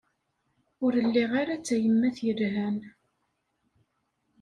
Ur lliɣ ara d tayemmat yelhan.